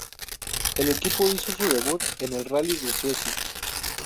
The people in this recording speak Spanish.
El equipo hizo su debut en el Rally de Suecia.